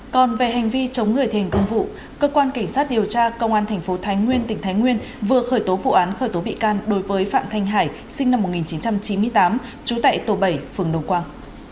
còn về hành vi chống người thi hành công vụ cơ quan cảnh sát điều tra công an tp thái nguyên tỉnh thái nguyên vừa khởi tố vụ án khởi tố bị can đối với phạm thanh hải sinh năm một nghìn chín trăm chín mươi tám trú tại tổ bảy phường đồng quang